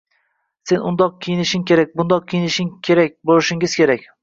«Sen undoq kiyinishing kerak, bundoq ko‘rinishda bo‘lishing kerak!»